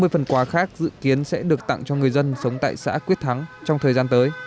năm mươi phần quà khác dự kiến sẽ được tặng cho người dân sống tại xã quyết thắng trong thời gian tới